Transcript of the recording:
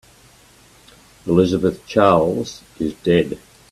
Elizabeth Charles is dead.